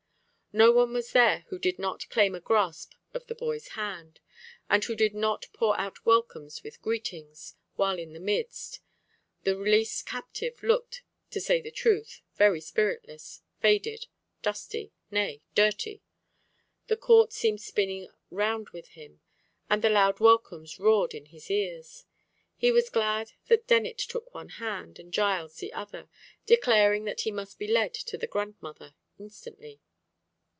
Not one was there who did not claim a grasp of the boy's hand, and who did not pour out welcomes and greetings, while in the midst, the released captive looked, to say the truth, very spiritless, faded, dusty, nay dirty. The court seemed spinning round with him, and the loud welcomes roared in his ears. He was glad that Dennet took one hand, and Giles the other, declaring that he must be led to the grandmother instantly.